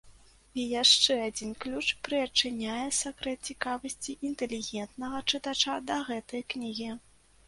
І яшчэ адзін ключ прыадчыняе сакрэт цікавасці інтэлігентнага чытача да гэтай кнігі.